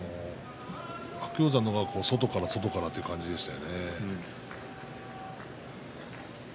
白鷹山の方が外から外からという感じでしてね。